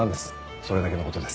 それだけの事です。